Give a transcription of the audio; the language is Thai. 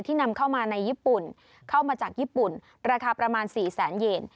นำเข้ามาในญี่ปุ่นเข้ามาจากญี่ปุ่นราคาประมาณ๔แสนเยน